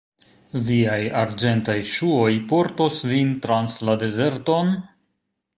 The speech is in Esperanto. Viaj Arĝentaj ŝuoj portos vin trans la dezerton?